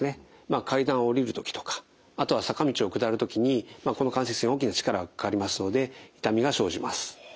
階段を下りる時とかあとは坂道を下る時にこの関節に大きな力がかかりますので痛みが生じます。